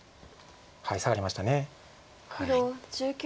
サガりました。